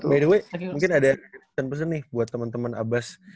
by the way mungkin ada pen present nih buat temen temen abas